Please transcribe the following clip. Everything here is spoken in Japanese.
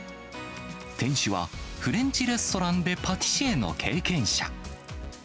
店主は、フレンチレストランでパティシエの経験者。